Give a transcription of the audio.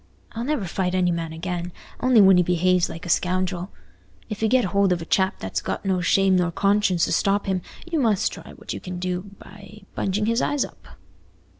I'll never fight any man again, only when he behaves like a scoundrel. If you get hold of a chap that's got no shame nor conscience to stop him, you must try what you can do by bunging his eyes up."